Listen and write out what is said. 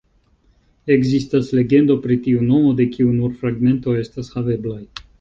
Ekzistas legendo pri tiu nomo, de kiu nur fragmentoj estas haveblaj.